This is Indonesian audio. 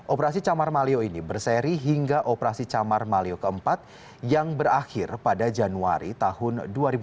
operasi camar malio ini berseri hingga operasi camar malio keempat yang berakhir pada januari tahun dua ribu dua puluh